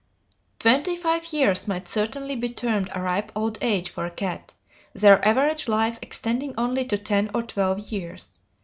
Twenty five years might certainly be termed a ripe old age for a cat, their average life extending only to ten or twelve years.